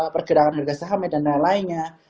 pergerakan harga sahamnya dan lain lainnya